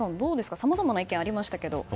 さまざまな意見がありましたが。